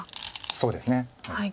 そうですね。